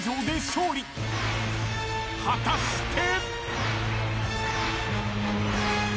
［果たして］